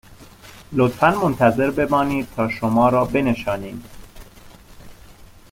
لطفاً منتظر بمانید تا شما را بنشانیم